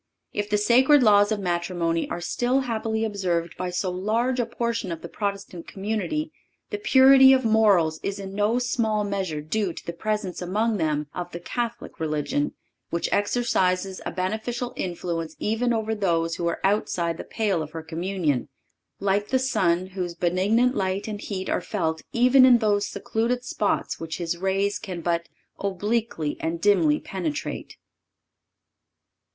If the sacred laws of Matrimony are still happily observed by so large a portion of the Protestant community, the purity of morals is in no small measure due to the presence among them of the Catholic religion, which exercises a beneficial influence even over those who are outside the pale of her communion, like the sun, whose benignant light and heat are felt even in those secluded spots which his rays can but obliquely and dimly penetrate.